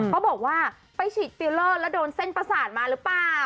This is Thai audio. เขาบอกว่าไปฉีดฟิลเลอร์แล้วโดนเส้นประสาทมาหรือเปล่า